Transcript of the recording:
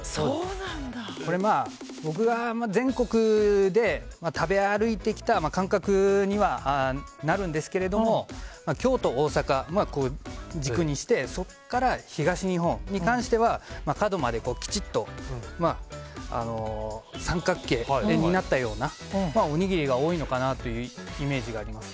これは僕が全国で食べ歩いてきた感覚にはなるんですけども京都、大阪を軸にしてそこから東日本に関しては角まできちっと三角形になったようなおにぎりが多いのかなというイメージがあります。